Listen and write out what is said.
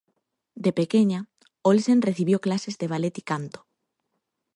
De pequeña, Olsen recibió clases de ballet y canto.